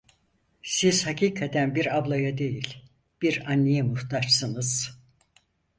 Siz hakikaten bir ablaya değil, bir anneye muhtaçsınız…